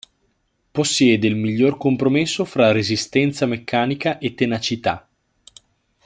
Possiede il miglior compromesso fra resistenza meccanica e tenacità.